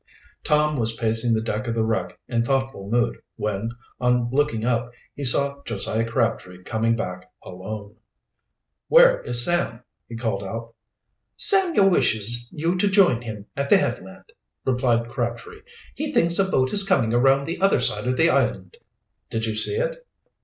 Tom was pacing the deck of the wreck in thoughtful mood when, on looking up, he saw Josiah Crabtree coming back alone. "Where is Sam?" he called out. "Samuel wishes you to join him at the headland," replied Crabtree. "He thinks a boat is coming around the other side of the island." "Did you see it?"